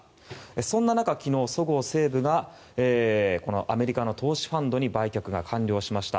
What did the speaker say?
そんな中、昨日そごう・西武がアメリカの投資ファンドに売却が完了しました。